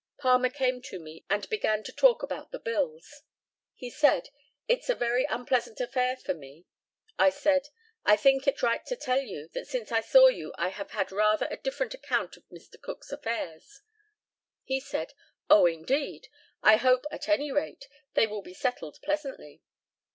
Palmer came to me, and began to talk about the bills. He said, "It's a very unpleasant affair for me." I said, "I think it right to tell you, that since I saw you I have had rather a different account of Mr. Cook's affairs." He said, "Oh, indeed! I hope, at any rate, they will be settled pleasantly."